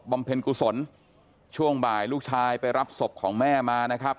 เพ็ญกุศลช่วงบ่ายลูกชายไปรับศพของแม่มานะครับ